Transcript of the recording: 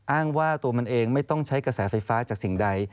อ้างว่าตัวมันเองไม่ต้องใช้กระแสไฟฟ้าจากสิ่งใด